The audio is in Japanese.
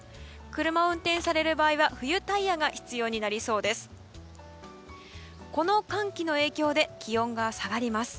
車を運転される場合は冬タイヤが必要になりそうです。